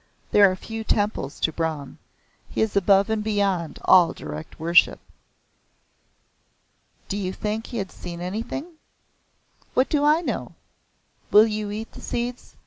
There are few temples to Brahm. He is above and beyond all direct worship." "Do you think he had seen anything?" "What do I know? Will you eat the seeds?